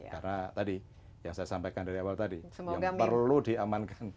karena tadi yang saya sampaikan dari awal tadi yang perlu diamankan